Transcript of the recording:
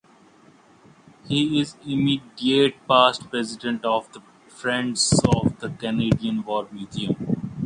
He is Immediate Past President of the Friends of the Canadian War Museum.